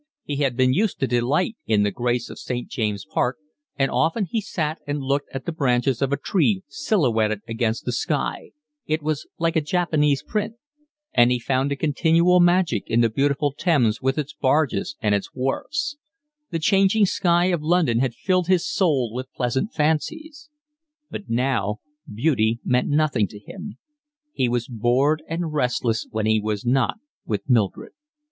He had been used to delight in the grace of St. James' Park, and often he sat and looked at the branches of a tree silhouetted against the sky, it was like a Japanese print; and he found a continual magic in the beautiful Thames with its barges and its wharfs; the changing sky of London had filled his soul with pleasant fancies. But now beauty meant nothing to him. He was bored and restless when he was not with Mildred.